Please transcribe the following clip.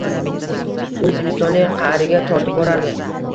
U zimistonlik qa’riga tortib borardi.